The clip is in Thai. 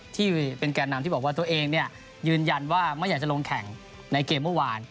ที่เป็นแก่นำที่บอกว่าตัวเองยืนยันว่าไม่อยากจะลงแข่งในเกมเมื่อวาน